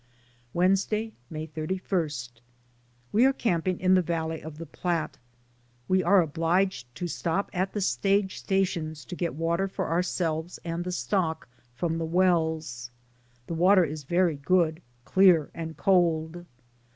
Wednesday, May 31. We are camping in the valley of the Platte. We are obliged to stop at the stage stations to get water for ourselves and the stock from n DAYS ON THE ROAD. the wells. The water is very good, clear and cold.